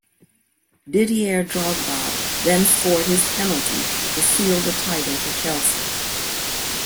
Didier Drogba then scored his penalty to seal the title for Chelsea.